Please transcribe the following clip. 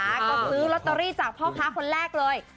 ก็ซื้อลอตเตอรี่จากพ่อค้าคนแรกเลย